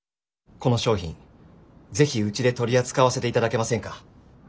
この商品是非うちで取り扱わせていただけませんか？